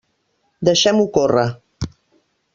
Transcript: Deixem-ho córrer.